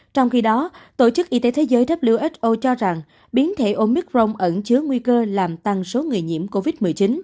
trong khi đó tổ chức y tế thế giới who cho rằng biến thể omic rong ẩn chứa nguy cơ làm tăng số người nhiễm covid một mươi chín